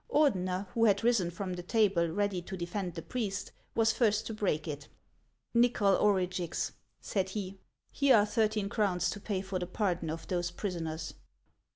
Ordeuer, who had risen from the table ready to defend the priest, was first to break it. " Xychol Orugix," said he, " here are thirteen crowns to pay for the pardon of those prisoners."